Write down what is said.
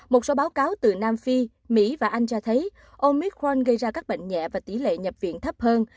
một số báo cáo từ nam phi mỹ và anh cho thấy omicron gây ra các bệnh nhẹ và tỷ lệ nhập viện thấp hơn